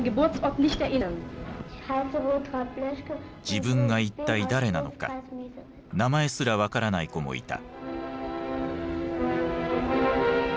自分が一体誰なのか名前すら分からない子もいた。